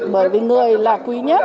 bởi vì người là quý nhất